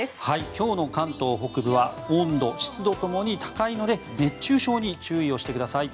今日の関東北部は温度、湿度ともに高いので熱中症に注意をしてください。